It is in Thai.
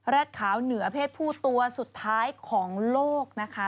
ขาวเหนือเพศผู้ตัวสุดท้ายของโลกนะคะ